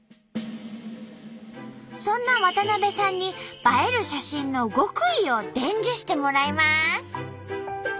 そんな渡部さんに映える写真の極意を伝授してもらいます。